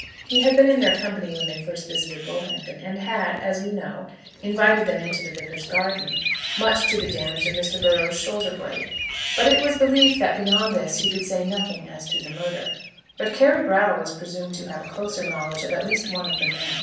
He had been in their company when they first visited Bullhampton, and had, as we know, invited them into the Vicar's garden, much to the damage of Mr. Burrows' shoulder blade; but it was believed that beyond this he could say nothing as to the murder. But Carry Brattle was presumed to have a closer knowledge of at least one of the men.